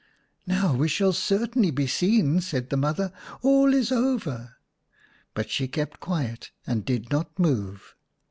" Now we shall certainly be seen/' said the mother ; "all is over." But she kept quiet, and did not move.